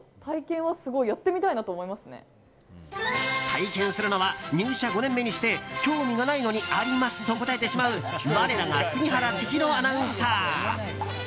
体験するのは入社５年目にして興味がないのにありますと答えてしまう我らが杉原千尋アナウンサー。